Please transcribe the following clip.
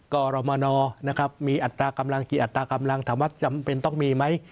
กรมนนะครับมีอัตรากำลังกี่อัตรากำลังถามว่าจำเป็นต้องมีไหม